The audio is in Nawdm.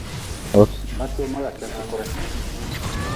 Batoma ka kedi sukure.